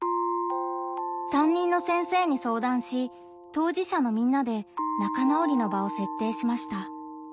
担任の先生に相談し当事者のみんなで仲直りの場を設定しました。